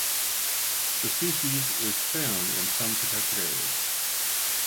The species is found in some protected areas.